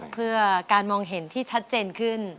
เพื่อการมองเห็นที่ชัดเจนขึ้น